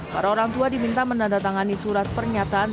para orang tua diminta menandatangani surat pernyataan